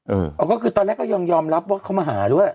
อ๋อก็คือตอนแรกก็ยังยอมรับว่าเขามาหาด้วย